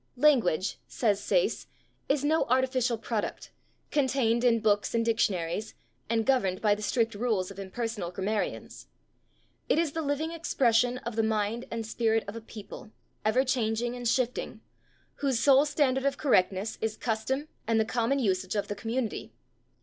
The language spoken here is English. "Language," says Sayce, "is no artificial product, contained in books and dictionaries and governed by the strict rules of impersonal grammarians. It is the living expression of the mind and spirit of a people, ever changing and shifting, whose sole standard of correctness is custom and the common usage of the community....